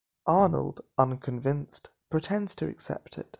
Arnold, unconvinced, pretends to accept it.